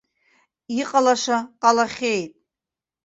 Иҟалаша ҟалахьеит.